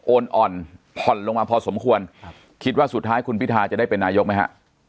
อ่อนผ่อนลงมาพอสมควรครับคิดว่าสุดท้ายคุณพิทาจะได้เป็นนายกไหมฮะ